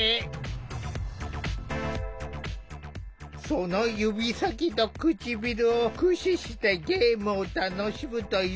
その指先と唇を駆使してゲームを楽しむという上虎。